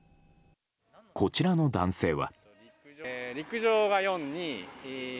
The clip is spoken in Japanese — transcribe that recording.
こちらの男性は。